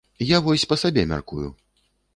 Я вось па сабе мяркую.